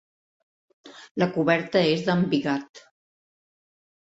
La coberta és d'embigat.